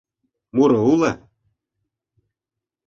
Муро уло?